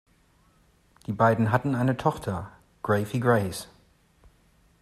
Die beiden hatten eine Tochter, Graphie Grace.